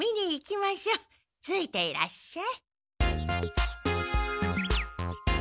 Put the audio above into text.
ついていらっしゃい。